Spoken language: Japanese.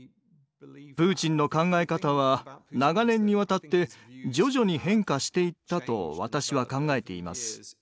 プーチンの考え方は長年にわたって徐々に変化していったと私は考えています。